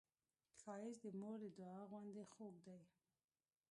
ښایست د مور د دعا غوندې خوږ دی